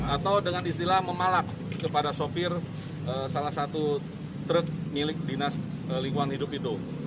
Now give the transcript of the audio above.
atau dengan istilah memalak kepada sopir salah satu truk milik dinas lingkungan hidup itu